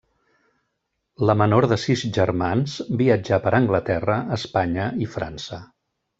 La menor de sis germans, viatjà per Anglaterra, Espanya i França.